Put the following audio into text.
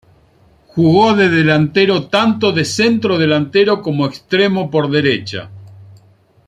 Jugó de delantero tanto de centrodelantero como de extremo por derecha.